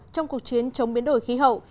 trong cuộc chiến chống biến đổi khí hậu